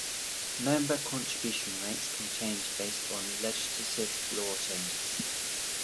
Member contribution rates can change based on legislative law changes.